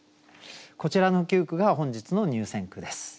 こちらの９句が本日の入選句です。